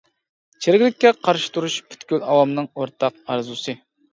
چىرىكلىككە قارشى تۇرۇش پۈتكۈل ئاۋامنىڭ ئورتاق ئارزۇسى.